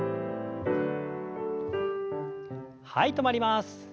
はい止まります。